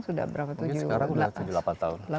sudah berapa tujuh mungkin sekarang sudah